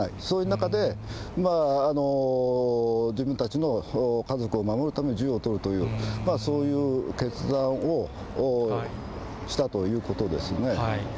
そういう中で、自分たちの家族を守るために銃を取るという、そういう決断をしたということですね。